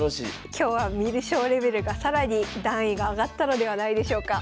今日は観る将レベルが更に段位が上がったのではないでしょうか。